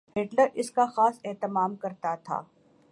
Hitler اس کا خاص اہتمام کرتا تھا۔